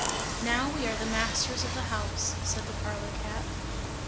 "Now we are the masters of the house!" said the parlour cat.